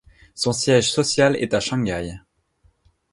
Son siège social est à Shanghai.